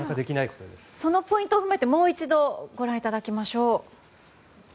そのポイントを踏まえてもう一度ご覧いただきましょう。